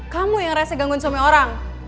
kamu yang rasa gangguin suami orang